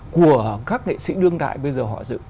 của các nghệ sĩ đương đại bây giờ họ dự